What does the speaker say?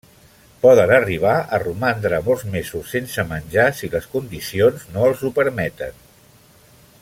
Poden arribar a romandre molts mesos sense menjar si les condicions no els ho permeten.